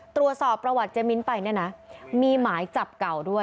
ตรวจสอบประวัติเจมิ้นไปเนี่ยนะมีหมายจับเก่าด้วย